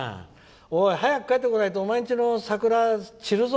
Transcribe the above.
おい、早く帰ってこないとお前んちの桜が散るぞ！